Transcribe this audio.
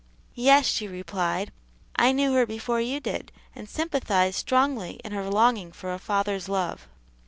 "Yes," she replied, "I knew her before you did, and sympathized strongly in her longing for a father's love."